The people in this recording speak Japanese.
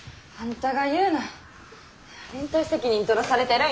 連帯責任取らされてるんや。